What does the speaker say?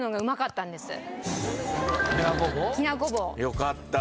よかった。